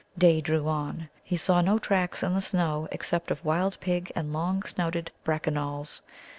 Day drew on. He saw no tracks in the snow, except of wild pig and long snouted Brackanolls.